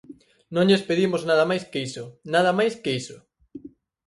Non lles pedimos nada máis que iso, nada máis que iso.